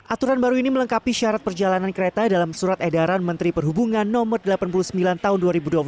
aturan baru ini melengkapi syarat perjalanan kereta dalam surat edaran menteri perhubungan no delapan puluh sembilan tahun dua ribu dua puluh